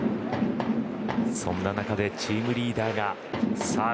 そんな中でチームリーダーがさあ